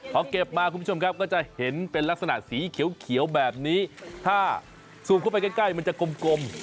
พอเก็บมาคุณผู้ชมครับก็จะเห็นเป็นลักษณะสีเขียวแบบนี้ถ้าสูบเข้าไปใกล้มันจะกลม